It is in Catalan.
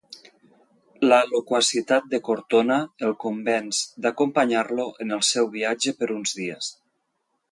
La loquacitat de Cortona el convenç d'acompanyar-lo en el seu viatge per uns dies.